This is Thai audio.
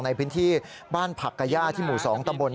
ในพื้นที่บ้านผักกะย่าที่หมู่๒ตำบล